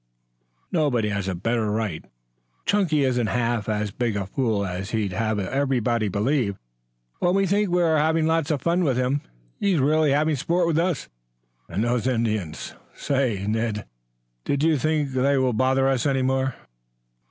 "Nobody has a better right. Chunky isn't half as big a fool as he'd have everybody believe. When we think we are having lots of fun with him he's really having sport with us. And those Indians say, Ned, do you think they will bother us any more?"